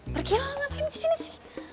pergilah lo ngapain di sini sih